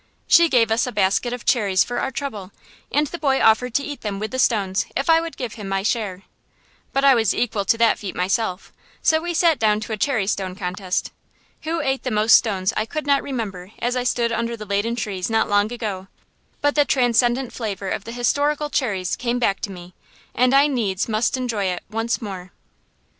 She gave us a basket of cherries for our trouble, and the boy offered to eat them with the stones if I would give him my share. But I was equal to that feat myself, so we sat down to a cherry stone contest. Who ate the most stones I could not remember as I stood under the laden trees not long ago, but the transcendent flavor of the historical cherries came back to me, and I needs must enjoy it once more.